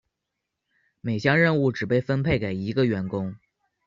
每项任务只被分配给一个员工。